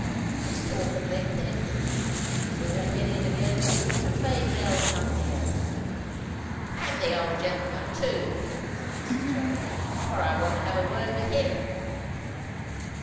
This talk at length ended, she drew in her head again, and bade Nell come near. "And the old gentleman too," said Mrs. Jarley; "for I want to have a word with him.